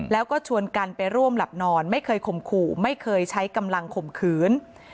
แล้วก็ชวนกันไปร่วมหลับนอนไม่เคยข่มขู่ไม่เคยใช้กำลังข่มขืน